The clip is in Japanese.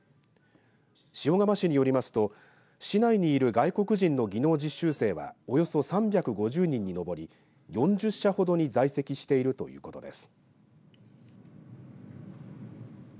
塩釜市によりますと市内にいる外国人の技能実習生はおよそ３５０人に上り４０社ほどに在籍しているということです。